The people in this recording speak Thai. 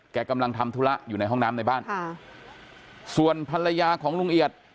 กำลังทำธุระอยู่ในห้องน้ำในบ้านค่ะส่วนภรรยาของลุงเอียด